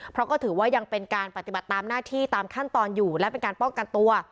เพราะก็ถือว่ายังเป็นการปฏิบัติตามหน้าที่ตามขั้นตอนอยู่และเป็นการป้องกันตัว